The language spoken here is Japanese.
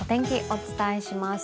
お伝えします。